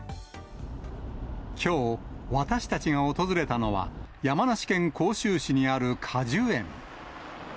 きょう、私たちが訪れたのは、山梨県甲州市にある果樹園。